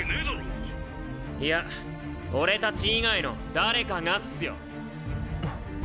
いや俺たち以外の誰かがっスよ。